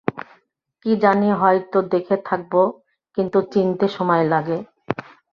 কী জানি, হয়তো দেখে থাকব, কিন্তু চিনতে সময় লাগে।